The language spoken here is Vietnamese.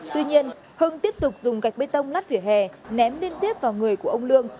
tuy nhiên hưng tiếp tục dùng gạch bê tông nắt vỉa hè ném liên tiếp vào người của ông lương